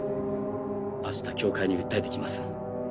明日協会に訴えてきます。